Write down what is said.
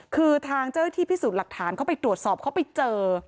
คือทางเจ้าที่พิสูจน์หลักฐานเขาไปตรวจสอบเขาไปเจอ